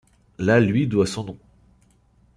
La lui doit son nom.